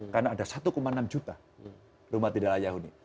karena ada satu enam juta rumah tidak layak uni